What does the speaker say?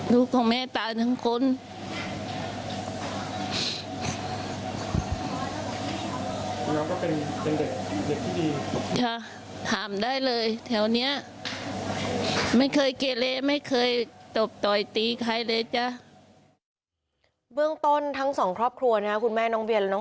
ของแม่ตายทั้งคน